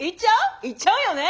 行っちゃうよね！